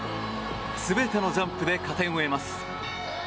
全てのジャンプで加点を得ます。